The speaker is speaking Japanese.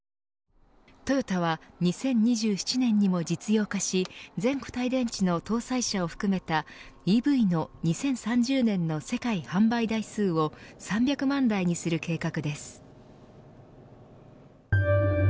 トヨタは２０２７年にも実用化し全固体電池の搭載車を含めたＥＶの２０３０年の世界販売台数を３００万台にする計画です。